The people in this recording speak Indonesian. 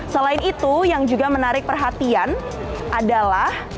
selain itu yang juga menarik perhatian adalah